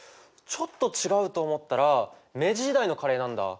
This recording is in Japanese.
ちょっと違うと思ったら明治時代のカレーなんだ。